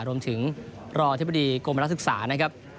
รวมถึงรอเทพดีกรมรัฐศึกษานะครับ